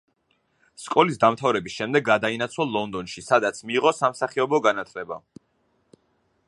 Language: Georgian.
სკოლის დამთავრების შემდეგ გადაინაცვლა ლონდონში, სადაც მიიღო სამსახიობო განათლება.